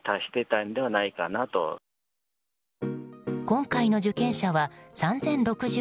今回の受験者は３０６８人。